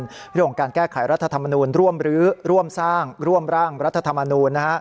เรื่องของการแก้ไขรัฐธรรมนูลร่วมรื้อร่วมสร้างร่วมร่างรัฐธรรมนูล